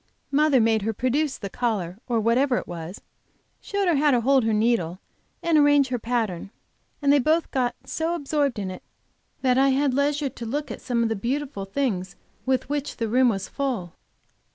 Mother made her produce the collar, or whatever it was, showed her how to hold her needle and arrange her pattern, and they both got so absorbed in it that I had leisure to look at some of the beautiful things with which the room was full.